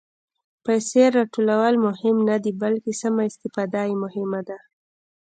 پېسې راټولول مهم نه دي، بلکې سمه استفاده یې مهمه ده.